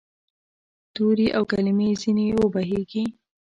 تورې او کلمې ځیني وبهیږې